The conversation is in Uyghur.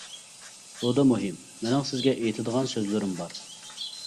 سودا مۇھىم، مېنىڭ سىزگە ئېيتىدىغان سۆزلىرىم بار.